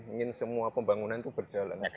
ingin semua pembangunan itu berjalan